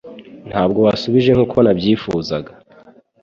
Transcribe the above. Ntabwo wasubije nkuko nabyifuzaga